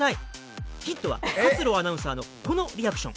ヒントは勝呂アナウンサーのこのリアクション。